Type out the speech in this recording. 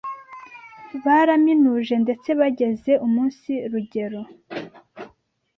baraminuje ndetse bageze umunsi rugero